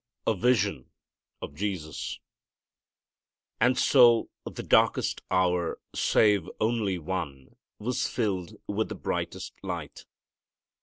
A Vision of Jesus. And so the darkest hour save only one was filled with the brightest light.